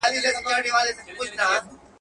په ژوندون اعتبار نسته یو تر بل سره جارېږی.